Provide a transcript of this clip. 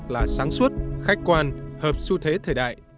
là sáng suốt khách quan hợp xu thế thời đại